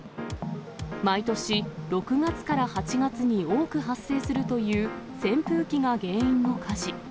毎年、６月から８月に多く発生するという、扇風機が原因の火事。